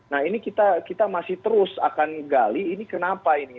nah ini kita masih terus akan gali ini kenapa ini